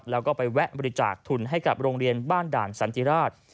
แล้วก็ไปแวะบริจาคทุนให้กับโรงเรียนบ้านด่านสันติราช